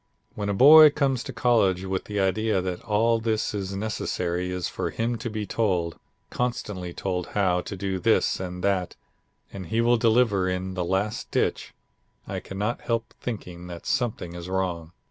"When a boy comes to college with the idea that all that is necessary is for him to be told, constantly told how to do this and that, and he will deliver in the last ditch, I cannot help thinking that something is wrong.